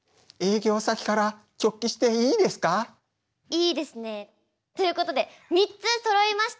いいですね。ということで３つそろいました。